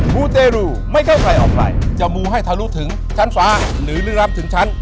มูเตรูไม่เข้าใกล้ออกไปจะมูให้เธอรู้ถึงชั้นฟ้าหรือลืมล้ำถึงชั้น